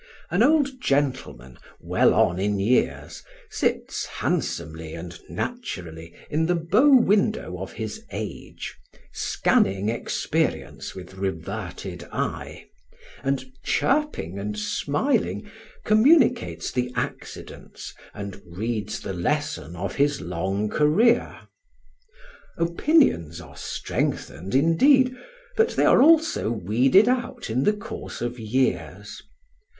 An old gentleman, well on in years, sits handsomely and naturally in the bow window of his age, scanning experience with reverted eye; and chirping and smiling, communicates the accidents and reads the lesson of his long career. Opinions are strengthened, indeed, but they are also weeded out in the course of years.